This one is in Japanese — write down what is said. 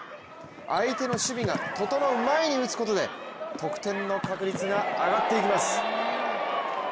相手の守備が整う前に打つことで得点の確率が上がっていきます。